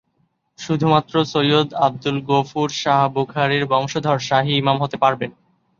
শুধুমাত্র সৈয়দ আব্দুল গফুর শাহ বুখারীর বংশধর শাহী ইমাম হতে পারবেন।